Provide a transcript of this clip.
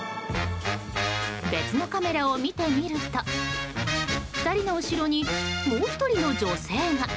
別のカメラで見てみると２人の後ろにもう１人の女性が。